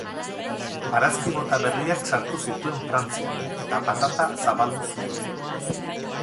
Barazki-mota berriak sartu zituen Frantzian, eta patata zabaldu zuen.